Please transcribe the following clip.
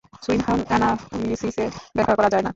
সুইন হার্ন অ্যানালিসিসে ব্যাখ্যা করা যায় না।